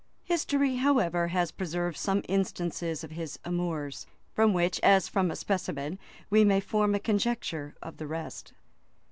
History, however, has preserved some instances of his amours, from which, as from a specimen, we may form a conjecture of the rest.